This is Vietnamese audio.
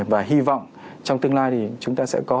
và hy vọng trong tương lai thì chúng ta sẽ có